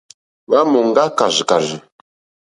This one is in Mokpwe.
Hwá mɔ̀ŋgá kàrzìkàrzì.